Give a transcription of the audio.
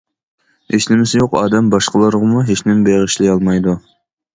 ھېچنېمىسى يوق ئادەم باشقىلارغىمۇ ھېچنېمە بېغىشلىيالمايدۇ.